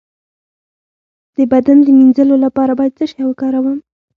د بدن د مینځلو لپاره باید څه شی وکاروم؟